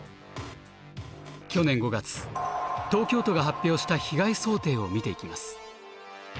去年５月東京都が発表した被害想定を見ていきます。